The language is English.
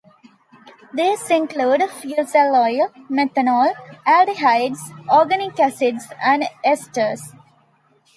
These include fusel oil, methanol, aldehydes, organic acids and esters.